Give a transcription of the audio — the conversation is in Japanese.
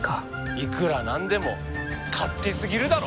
いくら何でも勝手すぎるだろ？